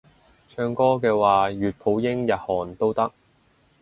唱歌嘅話粵普英日韓都得